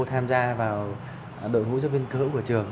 tham gia vào đội hữu giáo viên cơ hữu của trường